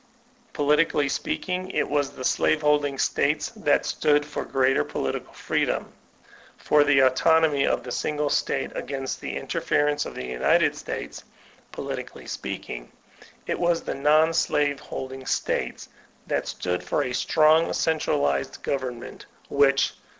Politically speaking, it was the slave holding States that stood for greater political freedom, for the autonomy of the single State against the interference of the United States ; politically speaking, it was the non slave holding States that stood for a strong centralized government, which.